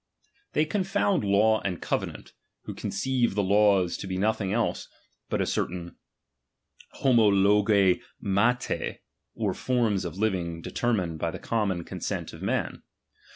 They confound law and covenant, who con ^™» ^'n<" ceive the laws to be nothing else but certain iiiioXoyhfi aTa, or forms of living determined by the common consent of men.